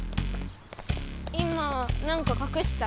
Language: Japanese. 今何かかくした？